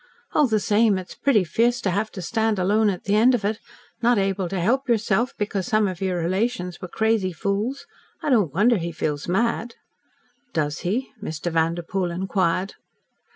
All the same its pretty fierce to have to stand alone at the end of it, not able to help yourself, because some of your relations were crazy fools. I don't wonder he feels mad." "Does he?" Mr. Vanderpoel inquired.